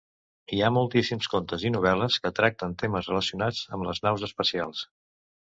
Hi ha moltíssims contes i novel·les que tracten temes relacionats amb les naus espacials.